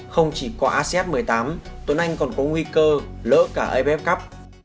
không chỉ qua asean một mươi tám tuấn anh còn có nguy cơ lỡ cả abf cup